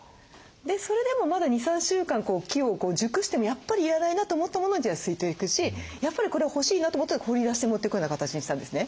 それでもまだ２３週間機を熟してもやっぱり要らないなと思ったモノは捨てていくしやっぱりこれ欲しいなと思ったら取り出して持っていくような形にしたんですね。